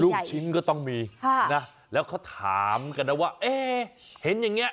ลูกชิ้นก็ต้องมีค่ะนะแล้วเขาถามกันนะว่าเอ๊เห็นอย่างเงี้